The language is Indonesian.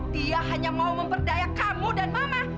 dia hanya mau memperdaya kamu dan mama